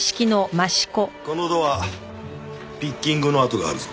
このドアピッキングの跡があるぞ。